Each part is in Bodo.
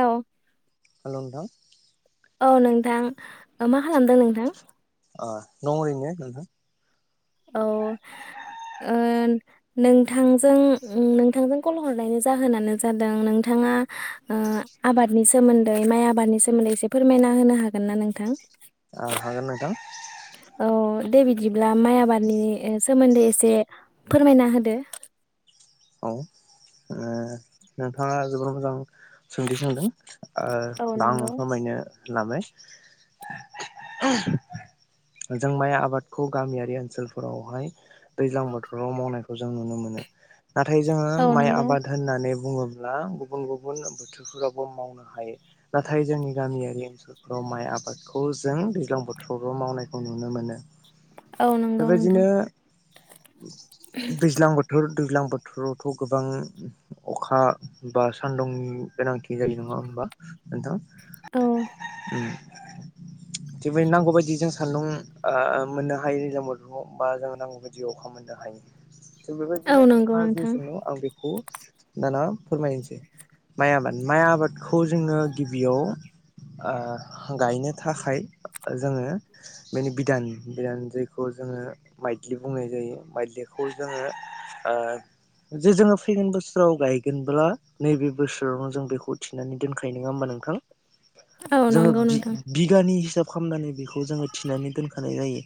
औ हेलो नोंथां औ नोंथां ओ मा खालामदों नोंथां अ दं ओरैनो नोंथां औ ओ नोंथांजों उम नोंथांजों कल हरनायनि जाहोनानो जादों नोंथाङा ओ आबादनि सोमोन्दै माइ आबादनि सोमोन्दै एसे फोरमायना होनो हागोन ना नोंथां? ओ हागोन नोंथां औ दे बिदिब्ला माइ आबादनि ओ सोमोन्दै एसे फोरमायना होदो औ ओ नोंथाङा जोबोर मोजां सोंथि सोंदों ओ औ दा आं नंगौ फोरमायनो होननानै [inaudible] जों माइ आबादखौ गामियारि ओनसोलफोरावहाय दैज्लां बोथोराव मावनायखौ जों नुनो मोनो नाथाय जोङो औ माइ नंगौ आबाद होननानै बुङोब्ला गुबुन गुबुन बोथोरफोरावबो मावनो हायो नाथाय जोंनि गामियारि ओनसोलफोराव माइ आबादखौ जों दैज्लां बोथोरावल' मावनायखौ नुनो मोनो औ नंगौ नोंथां बेबायदिनो दैज्लां बोथोर दैज्लां बोथ थोरावथ' गोबां अखा बा सान्दुंनि गोनांथि [unintelligible] नङा होमबा नोंथां औ उम थेयावबो नांगौ बायदि जों सान्दुं ओ मोननो हायो दैज्लां बोथोराव जों नांगौ बदि अखा मोननो हायो थिग औ बेबायदिनो नंगौ नोथाङा जे नोंथां सोंनो आं बे खौ दाना फोरमायनोसै माइ आबाद माइ आबादखौ जोङो गिबियाव ओ गायनो थाखाय जोङो बेनि बिधान बिधान जायखौ जोङो माइद्लि बुंनाय जायो माइद्लिखौ जोङो ओ जे जोङो फैगोन बोसोराव गायगोनब्ला नैबे बोसोरावनो जों बेखौ थिनानै दोनखायो नङा होमबा नोंथां औ जोङो नंगौ बि नोंथां बिगानि हिसाब खामनानै बेखौ जोङो थिनानै दोनखानाय जायो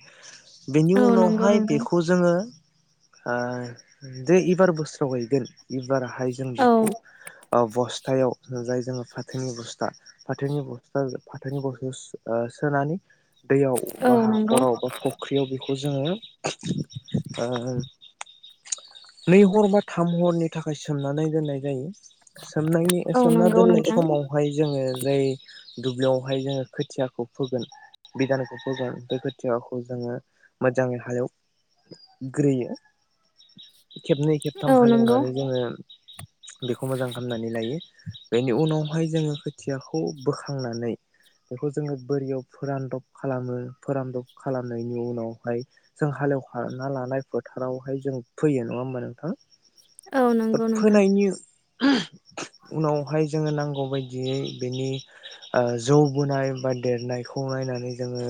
बेनि औ नंगौ उनावहाय नोंथां बेखौ जोङो ओ जे एबार बोसोराव गायगोन इबारहाय जों औ बेखौ अ बस थायाव जाय जोङो फाथोनि बस्ता फाथोनि बस्ताजों फाथोनि बस्तायाव सोनानै दैयाव औ बा नंगौ हाखराव बा फुख्रियाव बे खौ जोङो ओ नै हर बा थाम हरनि थाखाय सोमनानै दोननाय जायो सोमनायनि ओ औ सोमना नंगौ दोननाय नोंथां समावहाय जोङो जाय दुब्लियावहाय जोङो खोथियाखौ फोगोन बिधानखौ फोगोन बे खोथियाखौ जोङो मोजाङै हालेव ग्रोयो खेबनै खेबथाम औ नंगौ हालेवनानै जोङो बेखौ मोजां खालामनानै लायो बेनि उनावहाय जोङो खोथियाखौ बोखांनानै बेखौ जोङो बोरियाव फोरानदब खालामो फोरानदब खालामनायनि उनावहाय जों हालेवखाना लानाय फोथारावहाय जों फैयो नङा होमबा नोंथां औ नंगौ नोंथां फोनायनि उनावहाय जोङो नांगौ बायदियै बेनि ओ जौबोनाय बा देरनायखौ नायनानै जोङो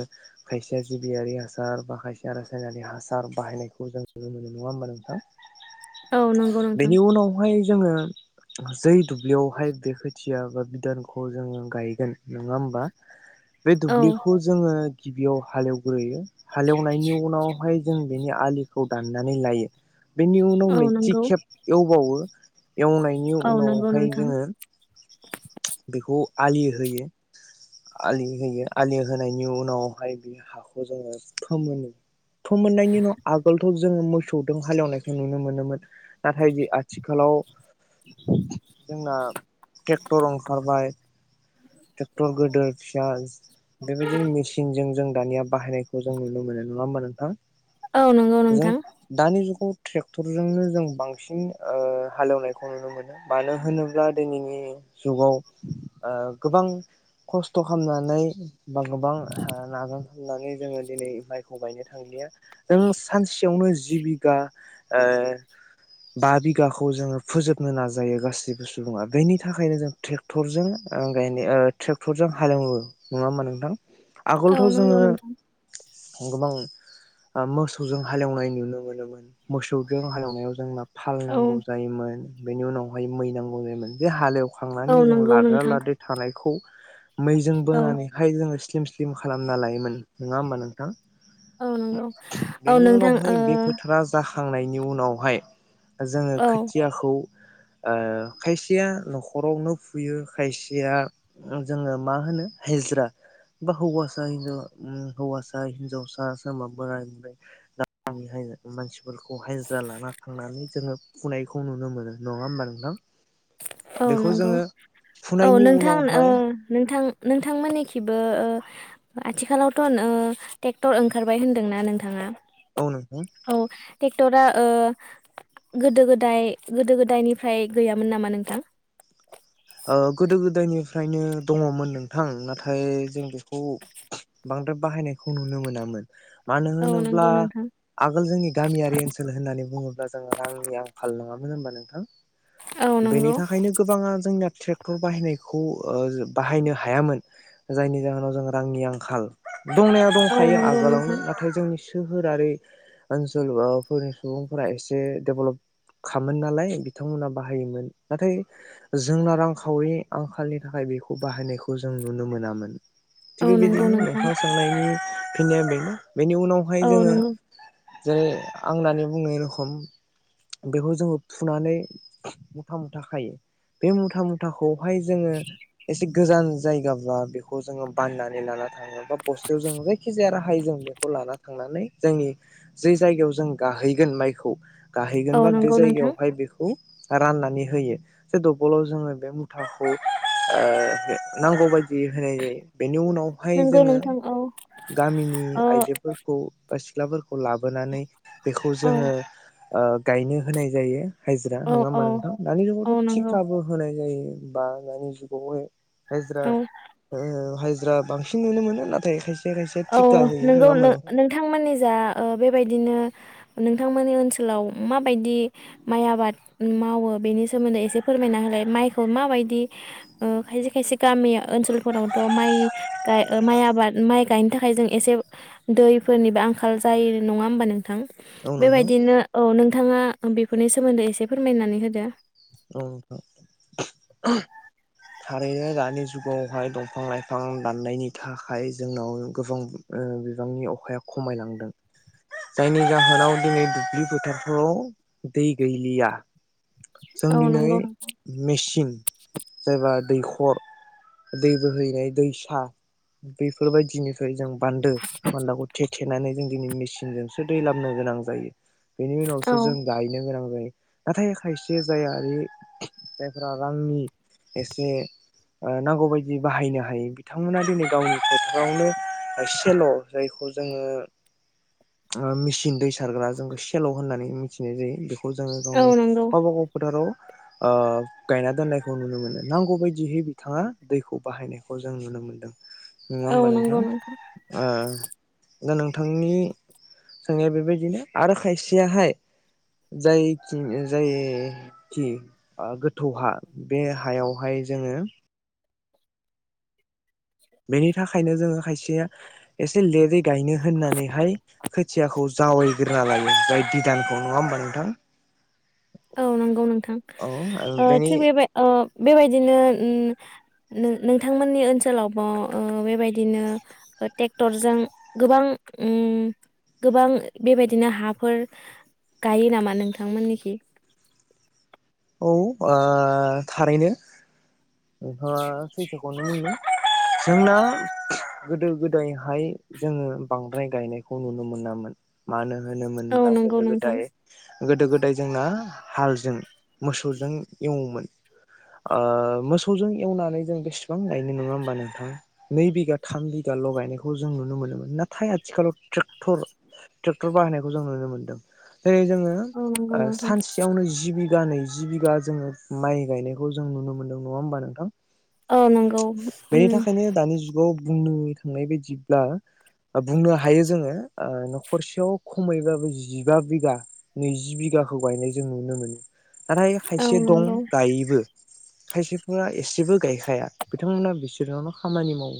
खायसेया जिबियारि हासार बा खायसे रासायनारि हासार बाहायनायखौ जों नुनो मोनो नङा होमबा नोंथां औ नंगौ नोंथां बेनि उनावहाय जोङो जै दुब्लियावहाय बे खोथिया बा बिधानखौ जोङो गायगोन नङा होमबा बे औ दुब्लिखौ जोङो गिबियाव हालेवग्रोयो हालेवनायनि उनावहाय जों बेनि आलिखौ दाननानै लायो बेनि उनाव औ नैथि नंगौ खेब एवबावो [inaudible] [inaudible] एवनायनि औ नंगौ उनावहाय नोंथां जोङो बेखौ आलि होयो आलि होयो आलि होनायनि उनावहाय बे हाखौ जोङो फोमोनो फोमोननायनि उनाव आगोलथ' जोङो मोसौजों हालेवनाय नुनो मोनोमोन नाथाय जे आथिखालाव जोंना ट्रेक्टर ओंखारबाय ट्रेक्टर गोदोर फिसा बेबायदिनो मेसिनजों जों दानिया बाहायनायखौ जों नुनो मोनो नङा होमबा नों थां औ नंगौ जों नोंथां दानि जुगाव ट्रेक्टरजोंनो जों बांसिन ओ हालेवनायखौ नुनो मानो होनोब्ला दिनैनि जुगाव ओ गोबां खस्थ' खालामनानै बा गोबां हो नाजाननानै खालामनानै जोङो दिनै माइखौ गायनो थांलिया जों सानसेयावनो जि बिगा ओ बा बिगाखौ जोङो फोजोबनो नाजायो गासैबो सुबुङा बेनि थाखायनो जों ट्रेक्टरजों गायनो ट्रेक्टरजों हालेवो नङा होनबा नोंथां औ आगोलथ' नंगौ जोङो नोंथां गोबां ओ मोसौजों हालेवनाय नुनो मोनोमोन मोसौजों हालेवनायाव जों ना औ फालनांगौ जायोमोन बेनि उनावहाय मै नांगौ जायोमोन बे हालेव औ खांनानै जों नंगौ लाद्रा नोंथां लाद्रि थानायखौ मैजों औ बोनानैहाय जोंङो सि स्लिम स्लिम खालामना लायोमोन नङा होमबा नोंथां औ नंगौ औ नोंथां ओ हांनायनि उनावहाय जोंङो खोथियाखौ ओ खायसेया नखरावनो फुयो खायसेया जोंङो मा होनो हायजा् बा हौवासा हिन्जाव उम हौवासा हिनजावसा सोरबा बोराय ओमफ्राय [unintelligible] मानसि फोरखौ हायजा् लाना थांनानै जोंङो फुनायखौ नुनो मोनो नङा होमबा नोंथां। औ बेखौ नंगौ जोङो औ फुनायनि नोंथां ओ उनावहाय नोंथां। नोंथांमोन खिबो ओ आथिखालावथ ओ ट्रेक्टर ओंखारबाय होनदोंना नोंथाङा। औ नोंथां। औ ट्रेक्टरा ओ गोदो गोदाय गोदो गोदायनिफ्राय गैयामोन नामा नों [inaudible] गोदो गोदायनिफ्रायनो दङमोन नोंथां नाथाय जों बेखौ बांद्राय बाहायनायखौ नुनो मोनामोन। मानो औ होनोब्ला नंगौ नोंथां आगोल जोंनि गामियारि ओनसोल होननानै बुङो जोंङो रांनि आंखाल नङामोन होनबा नोंथां। औ बेनि नंगौ थाखायनो गोबाङा जोंनिया। ट्रेक्टर बाहायनायखौ ओ बाहायनो हायामोन जायनि जाहोनाव जों रांनि आंखाल। दंनाया औ दंखायो नंगौ आगोलावनो नोंथां नाथाय जोंनि। सोहोरारि ओनसोल सुबुंफोरा एसे देबलबखामोन नालाय बिथांमोना बाहायोमोन नाथाय जोंना रां खावरि आंखालनि थाखाय बेखौ बाहायनायखौ जों नुनो मोनामोन। थिग औ नंगौ बेबादिनो नोंथां सोंनायनि। जोंनिया बेनो। बेनि उनावहाय औ जोंङो। नंगौ जेरै आं होननानै बुंनाय रोखम बेखौ जोंङो फुनानै मुथा मुथा खायो बे मुथा मुथ थाखौ बाहाय जोंङो एसे। गोजान जायगाब्ला बेखौ जोंङो बाननानै लाना थाङो बा बस्थायाव जों जायखि जाया राहाय जों बेखौ लाना थांनानै जोंनि जे जायगायाव जों गाहैगोन माइखौ औ गाहैगोनबा बे नंगौ नोंथां जायगायावहाय बेखौ। राननानै होयो ज दबलाव जोंङो। बे मुथाखौ ओ नांगौ बायदि। जि होनाय जायो बेनि उनावहाय नंगौ जोंङो। नोंथां औ गामिनि ओ आइजोफोरखौ। बा सिख्लाफोरखौ लाबोनानै बेखौ औ जोंङो। ओ गायनो होनाय जायो। हायज्रा औ नङा औ होमा नोंथां दानि औ जुगावथ नंगौ तिकाबो होनाय जायो। बा दानि जुगावहाय। हायज्रा औ ओ हाय द्रा बांसिन नुनो मोनो नाथाय खायसे खायसे औ थिखा होयो नोंगौ नङा होमबा नोंथां नो-नोंथांमोननि जा ओ बेबायदिनो नोंथांमोननि ओनसोलाव माबायदि माइ आबाद मावो बेनि सोमोन्दै एसे फोरमायना होलाय माइखौ माबायदि ओ खायसे खायसे गामि ओनसोलफोरावथ माइ गाय ओ माइ आबाद माइ गाय थाखाय जों एसे दैफोरनिबो आंखाल जायो नङा होमबा नों थां औ नोंथां बेबायदिनो औ नों नोंथाङा बेफोरनि सोमोन्दै एसे फोरमायनानै होदो। औ नोंथां। थारैनो दानि जुगावहाय दंफां लाइफां दाननायनि थाखाय जोंनाव गोबां ओ बिबांनि अखाया खमायलांदों जायनि जाहोनाव दिनै दुब्लि फोथारफ्राव दै गैलिया। जों औ दिनै नंगौ मेचिन जायबा दैख खर दै बोहैनाय दैसा बेैफोरबायदिनिफ्राय जों बान्दो बान्दाखौ थेखेनानै जों दिनै मेसिनजोंसो दैलाबनो गोनां जायो। बेनि उनावसो औ जों गायनो गोनां [unintelligible] नाथाय खायसे जे जायारि जायफोरा रांनि एसे ओ नांगौबायायदि बाहायनो हायो बिथांमोना दिनै गावनि फोथारावनो ओ सेल' जायखौ जोङो उम मेचिन दै सारग्रा जोंखौ सेल' होननानै मिथिनाय जायो बेखौ खौ जोङो औ गावनि नंगौ गावबा गाव फोथाराव ओ गायना दोननायखौ नुनो मोनो नांगौ बायदियै बिथाङा दैखौ बाहायनायखौ जों नुनो मोनदों। नङा औ होमबा नोंथां नंगौ नों ओ दा नोंथांनि सोंनाया बेबायदिनो आरो खायसेयाहाय जायखिनि ओ जा्य खि आ गोथौ हा बे हायावहाय जोङो बेनि थाखायनो जोङो खायसे थिया एसे लेदै गायनो होननानैहाय खोथियाखौ जावायग्रोना लायो जाय बिधानखौ नङा होमबा नोंथां? औ नंगौ नोंथां औ ओ बेनि थिग बेबाय ओ बेबायदिनो उम नों-नोंथांमोननि ओनसोलावबा ओ बेबायदिनो ओ टेक्टरजों गोबां उम गोबां बेबायदिनो हाफोर गायो नामा नोंथांमोननिखि? औ आ थारैनो। नोंथांआ सैथोखौनो होन। जोंना गोदो गोदायहाय जोङो बांद्राय गायनायखौ नुनो मोनामोन मानो औ होनोमोनब्ला नंगौ गोदो नोंथां गोदाय गोदो गोदाय जोंना हालजों मोसौजों एवोमोन ओ मोसौजों एवनानै जों बेसेबां गायनो नङा होमबा नोंथां? नै बिगा थाम बिगाल' गायनायखौ जों नुनो मोनोमोन नाथाय आथिखालाव ट्रेक्टर, ट्रेक्टर बाहायनायखौ जों नुनो मोनदों। जेरै जोङो औ नंगौ ओ नोंथां सानसेयावनो जि बि गा नैजि बिगा जोङो माइ गायनायखौ जों नुनो मोनदों नङा होमबा नोंथां? औ नंगौ। उम खौ बुंनो थांनाय बायदिब्ला बुंनो हायो जोङो ओ न'खरसेयाव खमैबाबो जिबा बिगा नैजि बिगाखौ गायनाय जों नुनो मोनो। नाथाय औ खायसे दं नंगौ गायोबो। खायसेफोरा एसेबो गायखाया। बिथांमोना बिसोरनावनो खामानि मावो।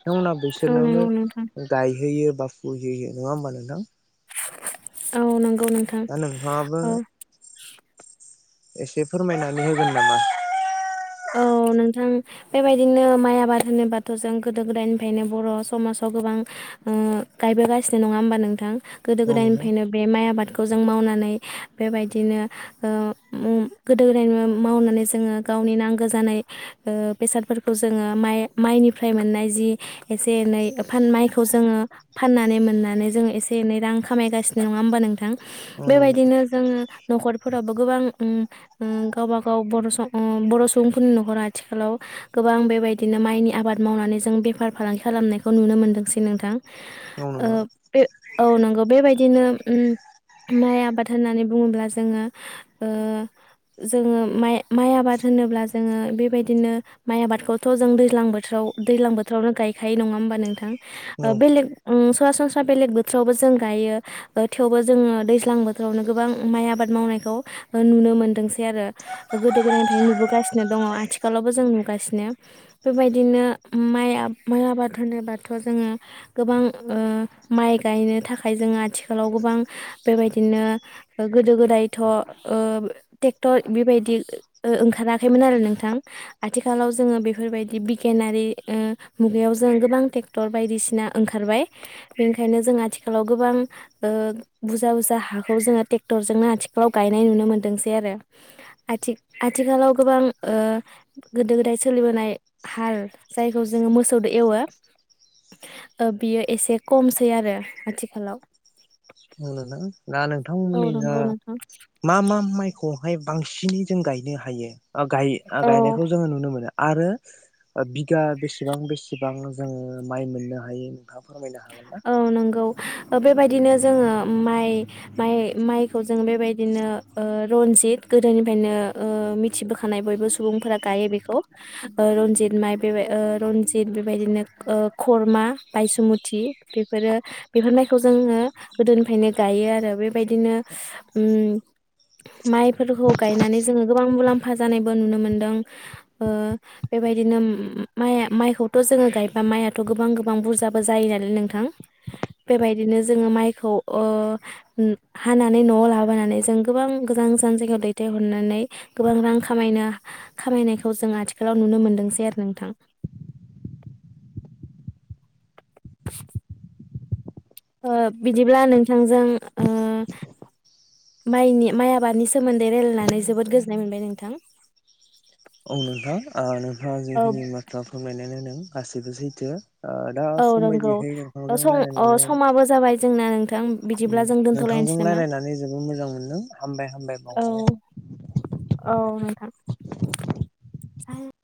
थांमोना औ बिसोरनावनो नंगौ नोंथां गायहोयो बा फुहैयो, नङा होमबा नोंथां? औ नोंगौ नोंथां दा नोंथाङाबो औ। [inaudible] एसे फोरमायनानै होगोन नामा? औ नोंथां बेबायदिनो माइ आबाद होनोबाथ' जों गोदो गोदायनिफ्रायनो बर' समाजाव गोबां ओ गायबोगासिनो नङा होमबा नोंथां? गोदो औ नोंथां गोदायनिफ्रायनो बे माइ आबादखौ जों मावनानै बे बेबायदिनो ओ [unintelligible] गोदो गोदाय मावनानै जोङो गावनि नां जानाय ओ बेसादफोरखौ जोङो माइ माइनिफ्राय मोननाय जि एसे एनै फान माइखौ जोङो फाननानै मोननानै जोङो एसे एनै रां खामायगासिनो, नङा होमबा नोंथां? औ नोंथां बेबायदिनो जोङो न'खर फोराबो गोबां उम उम गावबागाव बर' स बर' स बुंफोरनि न'खरा आथिखालाव गोबां बेबायदिनो माइनि आबाद मावनानै जों बेफार फालांगि खालामनायखौ नुनो मोनदोंसै नोंथां। औ ओ नोंथां बे औ नंगौ बेबाय बिनो उम माइ आबाद होननानै बुङोब्ला जोङो ओ जोङो माइ, माइ आबाद होनोब्ला जोङो बेबायदिनो माइ आबादखौथ' जों दैज्लां बोथोराव दैज्लां बोथोरावनो गायखायो नङा होमबा नोंथां? ओ औ बेलेग उम सरासनस्रा बेलेग बोथोरावबो जों गायो ओ थेवबो जोङो दैज्लां बोथोरावनो गोबां माइ आबाद मावनायखौ नुनो मोनदोंसै आरो गोदो गोदायनिफ्रायनो नुबोगासि नो दङ आथिखालावबो जों नुगासिनो बेबायदिनो माइ माइ आबाद होनोबाथ' जोङो गोबां ओ माइ गायनो थाखाय जोङो आथिखालाव गोबां बेबायदिनो गोदो गोदायथ' ओ टेक्टर बेबायदि ओ ओंखारा आखैमोन आरो नोंथां आथिखालाव जोङो बेफोरबायदि बिगियानारि ओ मुगायाव जों गोबां टेक्टर बायदिसिना ओंखारबाय बेखायनो जों आथिखालाव गोबां ओ बुरजा बुरजा हाखौ जोङो टेक्टरजोंनो आथिखालाव गायनाय नुनो मोनदोंसै आरो आथि आथिखालाव गोबां ओ गोदो गोदाय सोलिबोनाय हाल जायखौ जोङो मोसौदो एवो ओ बियो एसे खमसै आरो आथिखालाव। [unintelligible] दा औ नोंथांमोननि जा नंगौ नोंथां मा मा माइखौहाय बांसिनै जों गायनो हायो। ओ गायो गायनायखौ जोङो नुनो मोना। आरो बिगा बेसेबां बेसेबां जों माय मोननो हायो? नोंथाङा फोरमायनो हागोन ना? औ नंगौ बेबायदिनो जोङो माय माय मायखौ जों बेबायदिनो ओ रनजित गोदोनिफ्रायनो ओ मिथिबोखानाय बयबो सुबुंफोरा गायो बेखौ ओ रनजित माय बेबाय ओ रनजित बेबायदिनो ओ खरमा बायसुमु थि बेफोरो बेफोर माइखौ जोङो गोदोनिफ्रायनो गायो आरो थि बेफोरो बेफोर माइखौ जोङो गोदोनिफ्रायनो गायो आरो बेबायदिनो ओम मायफोरखौ गायनानै जोङो गोबां मुलाम्फा जानायबो नुनो मोनदों ओ बेबायदिनो उम उम माया मायखौथ' जोङो गायबा मायाथ' गोबां गोबां बुरजाबो जाय नोंथां बेबायदिनो जोङो मायखौ अ हानानै न'आव लाबोनानै जों गोबां गोजान गोजान जायगायाव दैथायहरनानै गोबां रां खामायनो खामायनायखौ जों आथिखालाव नुनो मोनदोंसै आरो नोंथां। [inaudible] ओ बिदिब्ला नोंथांजों ओ मायनि माय आबादनि सोमोन्दै रायलायनानै जोबोद गोजोननाय मोनबाय नोंथां। औ नोंथां ओ नोंथाङा औ जिखिनि बाथ्रा फोरमाय [unintelligible] गासैबो सैथो। ओ दा औ सम नंगौ बायदिहै ओ नोंथांजों सम अ रायलायनानै समाबो जाबाय जोंना नोंथां बिदिब्ला जों नोंथांजों दोनथ'लायनोसै नामा? रायलायनानै जोबोद मोजां मोनदों हामबाय हामबाय औ औ बावबाय। नोंथां [unintelligible]